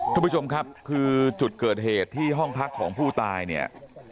ท่านผู้ชมครับคือจุดเกิดเหตุที่ห้องพักของผู้ตายเนี่ย